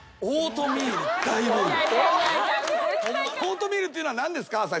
オートミールっていうのは何ですか？